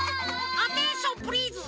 アテンションプリーズは？